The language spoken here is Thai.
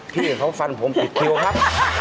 พี่เขาฟันผมปิดคิวครับ